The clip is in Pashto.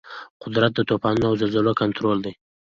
قدرت د طوفانونو او زلزلو کنټرول لري.